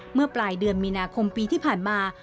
เมื่อปลายเดือนมีนาคมปีที่ผ่านมา